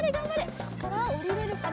そこからおりれるかな？